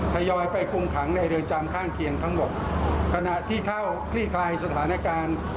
ทยอยไปคุมขังในเรือนจำข้างเคียงทั้งหมดขณะที่เข้าคลี่คลายสถานการณ์